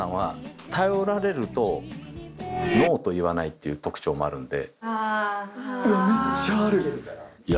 ていう特徴もあるんで。